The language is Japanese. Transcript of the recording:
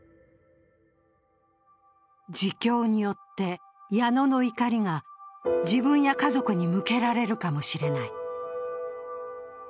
自供によって、矢野の怒りが自分や家族に向けられるかもしれない。